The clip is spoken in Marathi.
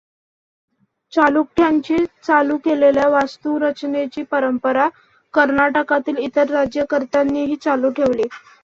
चालुक्यांची चालू केलेल्या वास्तुरचनेची परंपरा कर्नाटकातील इतर राज्यकर्त्यांनीही चालू ठेवली.